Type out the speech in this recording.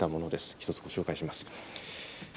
一つ、ご紹介します。